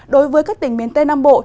đối với các tỉnh miền tây nam bộ